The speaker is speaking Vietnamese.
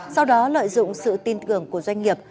sau đó lợi dụng sự tin tưởng của doanh nghiệp